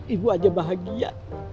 ibu aja bahagia